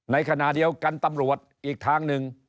ในขณะเดียวกันตำรวจอีกทางหนึ่ง